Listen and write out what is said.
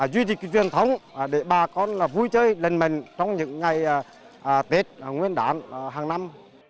duy trì truyền thống để bà con vui chơi lần mình trong những ngày tết nguyên đán hàng năm